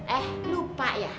eh lupa ya